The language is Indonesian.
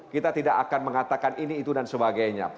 kita tidak akan mengatakan ini itu dan sebagainya